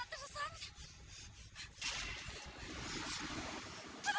mau jadi kayak gini sih salah buat apa